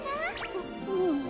ううん。